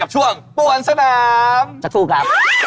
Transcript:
จะสู้ครับ